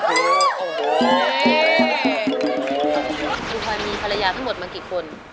ดูความมีภรรยาทั้งหมดมากี่คน